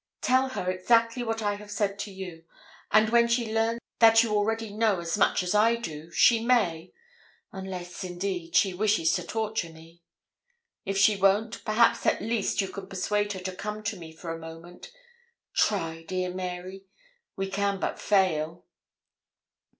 'Tell her exactly what I have said to you, and when she learns that you already know as much as I do, she may unless, indeed, she wishes to torture me. If she won't, perhaps at least you can persuade her to come to me for a moment. Try, dear Mary; we can but fail.'